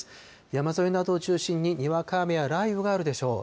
山沿いなどを中心に、にわか雨や雷雨があるでしょう。